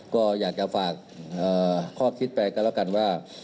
ก็อยากจะฝากข้อคิดไปก็แล้วกันว่า